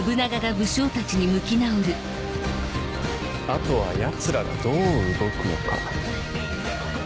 あとはヤツらがどう動くのか。